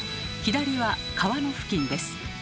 左は皮の付近です。